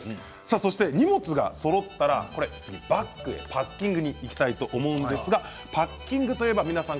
荷物がそろったらバッグへパッキングにいきたいと思うんですがパッキングといえば皆さん